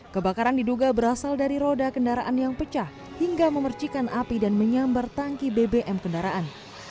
kebakaran diduga berasal dari roda kendaraan yang pecah hingga memercikan api dan menyambar tangki bbm kendaraan